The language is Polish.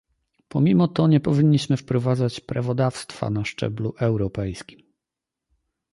Pomimo to nie powinniśmy wprowadzać prawodawstwa na szczeblu europejskim